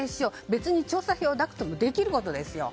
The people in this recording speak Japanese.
別に調査票がなくともできることですよ。